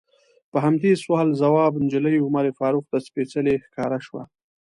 په همدې سوال ځواب نجلۍ عمر فاروق ته سپیڅلې ښکاره شوه.